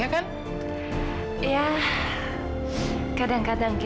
astaga ini kebaikannya ngopi ngopi